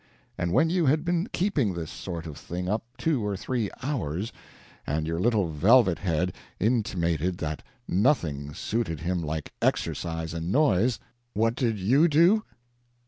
And when you had been keeping this sort of thing up two or three hours, and your little velvet head intimated that nothing suited him like exercise and noise, what did you do?